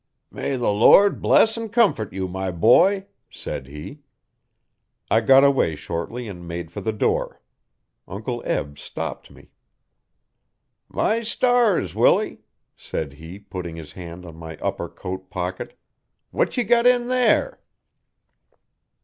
'May the Lord bless and comfort you, my boy!' said he. I got away shortly and made for the door. Uncle Eb stopped me. 'My stars, Willie!' said he putting his hand on my upper coat pocket' 'what ye got in there?'